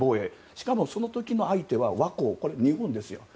しかも、その時の相手は倭寇日本ですよ。